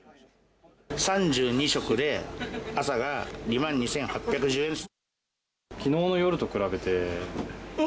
３２食で２万２８１０円です。